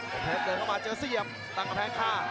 กบเพชรเดินเข้ามาเจอเสียบตั้งกับแท่งข้า